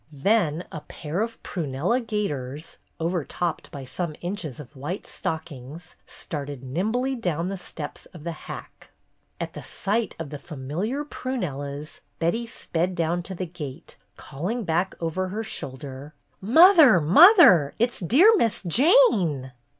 Then a pair of prunella gaiters, overtopped by some inches of white stockings, started nimbly down the steps of the hack. At the sight of the familiar prunellas Betty sped down to the gate, calling back over her shoulder : "Mother ! Mother ! It 's dear Miss Jane